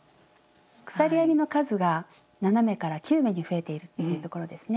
鎖編みの数が７目から９目に増えているっていうところですね。